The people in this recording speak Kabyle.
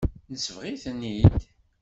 Nesbeɣ-iten-id.